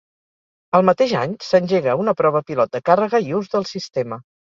El mateix any s'engega una prova pilot de càrrega i ús del sistema.